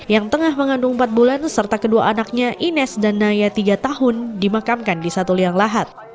yang tengah mengandung empat bulan serta kedua anaknya ines dan naya tiga tahun dimakamkan di satu liang lahat